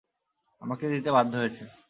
আমাকে দিতে বাধ্য হয়েছে!